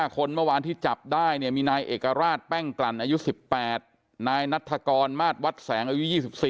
๕คนตามจับได้นายเอกราชแป้งกลั่นอายุ๑๘นายนัฐกรมาตรวัดแสงอายุ๒๔